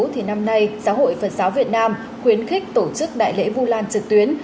thì năm nay giáo hội phật giáo việt nam khuyến khích tổ chức đại lễ vu lan trực tuyến